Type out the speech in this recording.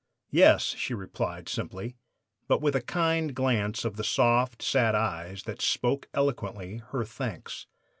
"'Yes,' she replied simply, but with a kind glance of the soft, sad eyes, that spoke eloquently her thanks.